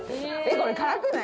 これ辛くない？